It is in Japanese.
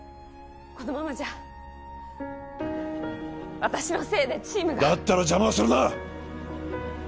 このままじゃ私のせいでチームがだったら邪魔をするな！